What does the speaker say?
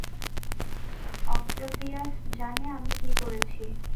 Octavius জানে আমি কী করেছি।